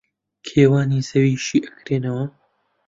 کێوانی زەوی شی ئەکرێنەوە